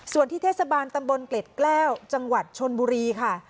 ส่วนที่เทศบาลตำบลเกล็ดแก้วจังหวัดชนบุรีค่ะ